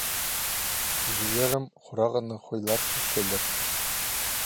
Пиҷелерім хурағаннығ хойлар кӧрчелер.